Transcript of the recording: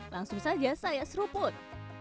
langsung saja saya seru pun